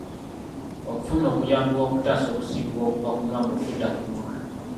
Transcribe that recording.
Okufuna okuyambibwa okutaasa okusiigibwa okuva ku maama okudda ku mwana.